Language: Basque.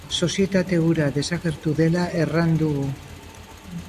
Sozietate hura desagertu dela erran dugu.